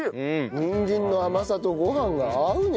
にんじんの甘さとご飯が合うね！